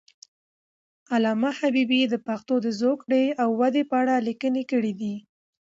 علامه حبیبي د پښتو د زوکړې او ودې په اړه لیکنې کړي دي.